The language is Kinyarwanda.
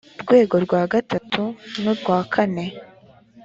rwego rwa gatatu n urwa kane